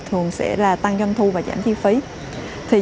thường sẽ là tăng doanh thu và giảm chi phí